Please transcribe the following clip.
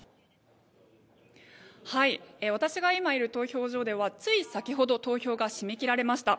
私が今いる投票所ではつい先ほど投票が締め切られました。